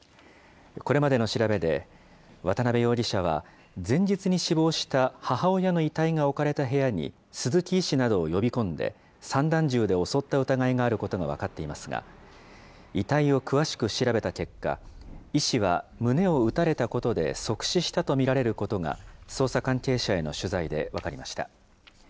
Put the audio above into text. これまでの調べで、渡邊容疑者は、前日に死亡した母親の遺体が置かれた部屋に、鈴木医師などを呼び込んで、散弾銃で襲った疑いがあることが分かっていますが、遺体を詳しく調べた結果、医師は胸を撃たれたことで即死したと見られることが、捜査関係者への取材で分かりました。